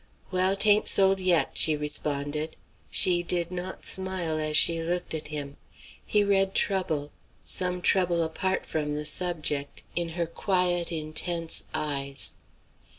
"Well, 'tain't sold yet," she responded. She did not smile as she looked at him. He read trouble; some trouble apart from the subject, in her quiet, intense eyes.